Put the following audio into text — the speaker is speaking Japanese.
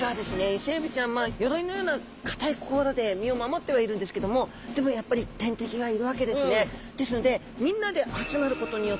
イセエビちゃん鎧のような硬い甲羅で身を守ってはいるんですけどもでもやっぱり天敵がいるわけですね。